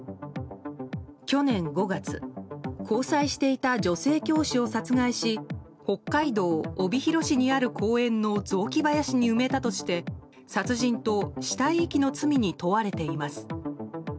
去年５月交際していた女性教師を殺害し北海道帯広市にある公園の雑木林に埋めたとして殺人と死体遺棄の罪に問われています。